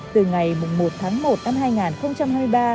từ ngày một tháng một năm hai nghìn hai mươi ba